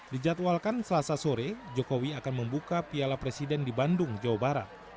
dijadwalkan selasa sore jokowi akan membuka piala presiden di bandung jawa barat